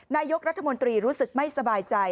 นายกรัฐมนตรีรู้สึกไม่สบายใจ